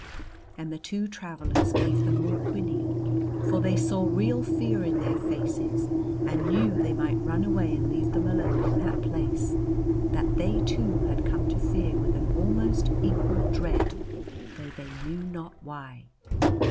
And the two travelers gave them more quinine, for they saw real fear in their faces, and knew they might run away and leave them alone in that place, that they, too, had come to fear with an almost equal dread, though they knew not why.